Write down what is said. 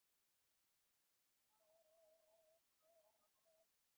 উমেশ তৎক্ষণাৎ ভূমিষ্ঠ হইয়া প্রণাম করিয়া কমলার পায়ের ধুলা মাথায় তুলিয়া লইল।